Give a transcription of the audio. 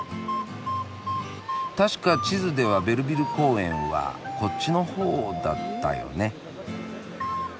確か地図ではベルヴィル公園はこっちのほうだったよね。